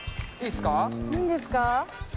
いいんですか？